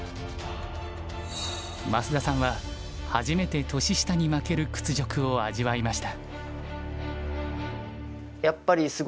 増田さんは初めて年下に負ける屈辱を味わいました。